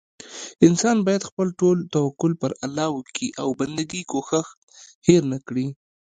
انسان بايد خپل ټول توکل پر الله وکي او بندګي کوښښ هير نه کړي